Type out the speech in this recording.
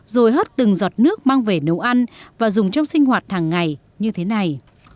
rồi hớt từng giọt nước mang về nấu ăn và dùng trong sinh hoạt hàng ngày như thế này